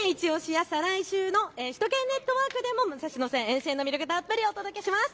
や来週の首都圏ネットワークでも武蔵野線の魅力、たっぷりとお伝えします